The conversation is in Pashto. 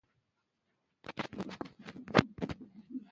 ام سلطان د خپلو تجربو له لارې خلکو ته لارښوونه کوي.